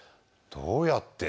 どうやって？